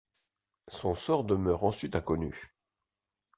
Son sort demeure ensuite inconnu.